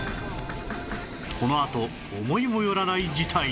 このあと思いも寄らない事態に！